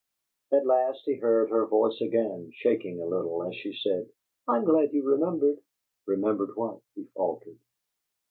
At last he heard her voice again, shaking a little, as she said: "I am glad you remembered." "Remembered what?" he faltered.